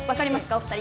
お二人。